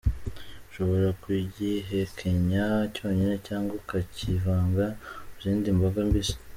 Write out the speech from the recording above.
Ushobora kugihekenya cyonyine cyangwa ukakivanga mu zindi mboga mbisi.